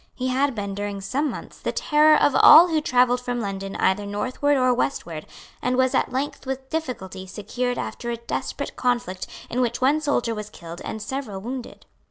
He had been, during some months, the terror of all who travelled from London either northward or westward, and was at length with difficulty secured after a desperate conflict in which one soldier was killed and several wounded.